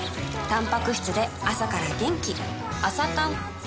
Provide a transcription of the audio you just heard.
たんぱく質で朝から元気